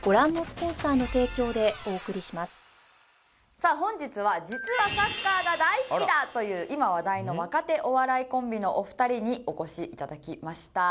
さあ本日は実はサッカーが大好きだ！という今話題の若手お笑いコンビのお二人にお越し頂きました。